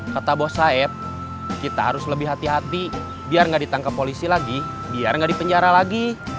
kata bos saeb kita harus lebih hati hati biar gak ditangkap polisi lagi biar gak di penjara lagi